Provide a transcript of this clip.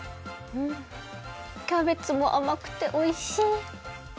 うんキャベツもあまくておいしい！